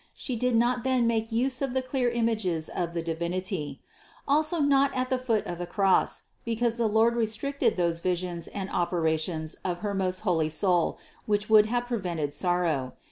She did not then make use of the clear images of the Divinity ; also not at the foot of the Cross, because the Lord restricted those visions and oper ations of her most holy soul which would have prevented sorrow.